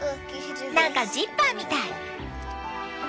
何かジッパーみたい！